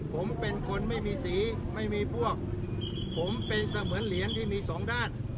ผมเป็นคนไม่มีสีไม่มีพวกผมเป็นเสมือนเหรียญที่มีสองด้าน